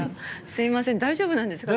すいません、大丈夫なんですか？